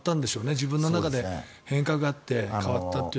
自分の中で変化があって変わったという。